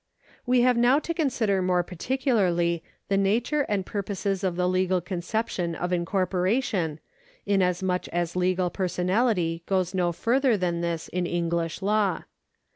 We have now to consider more particularly the nature and purposes of the legal conception of incorporation, inasmuch as legal personality goes no further than this in English law.